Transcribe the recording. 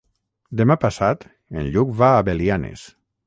Demà passat en Lluc va a Belianes.